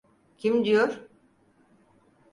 Kim diyor?